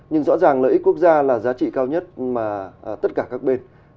nhưng rõ ràng lợi ích quốc gia là giá trị cao nhất mà tất cả các bên